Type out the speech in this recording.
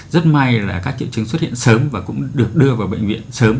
rất may là các triệu chứng xuất hiện sớm và cũng được đưa vào bệnh viện sớm